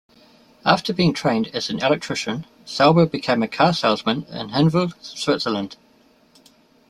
After being trained as an electrician Sauber became a car salesman in Hinwil, Switzerland.